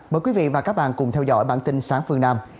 mời quý vị và các bạn cùng theo dõi bản tin sáng phương nam